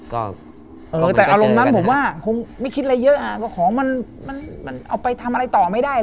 เออแต่อารมณ์นั้นผมว่าคงไม่คิดอะไรเยอะอะของมันเอาไปทำอะไรต่อไม่ได้แล้วอะไรอย่างเนี่ย